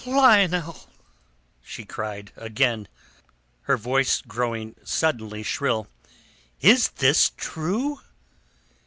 "Lionel!" she cried again, her voice growing suddenly shrill. "Is this true?"